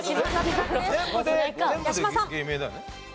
八嶋さん。